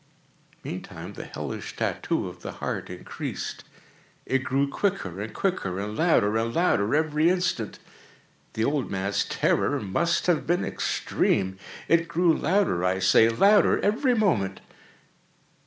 Meantime the hellish tattoo of the heart increased. It grew quicker and quicker, and louder and louder every instant. The old man's terror must have been extreme! It grew louder, I say, louder every moment!